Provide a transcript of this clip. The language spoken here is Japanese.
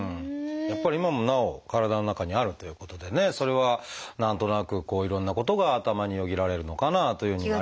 やっぱり今もなお体の中にあるということでねそれは何となくいろんなことが頭によぎられるのかなというのも。